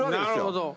なるほど。